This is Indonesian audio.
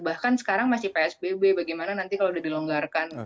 bahkan sekarang masih psbb bagaimana nanti kalau udah dilonggarkan